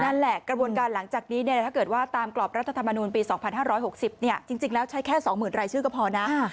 อย่างนั้นล่ะกระบวนการหลังจากนี้เนี่ยถ้าเกิดว่าตามกรอบรัฐธรรมนุมปี๒๕๖๐เนี่ยจริงแล้วใช้แค่สองหมื่นรายชื่อก็พอนะ